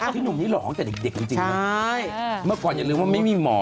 พี่หนุ่มนี่หล่อตั้งแต่เด็กจริงนะเมื่อก่อนอย่าลืมว่าไม่มีหมอ